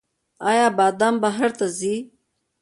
آیا بادام بهر ته ځي؟